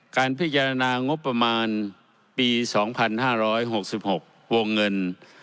การพิจารณางบประมาณปี๒๕๖๖วงเงิน